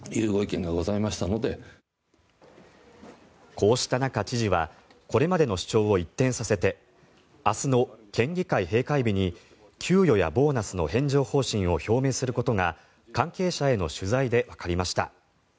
こうした中、知事はこれまでの主張を一転させて明日の県議会閉会日に給与やボーナスの返上方針を表明することが関係者への取材でわかりました。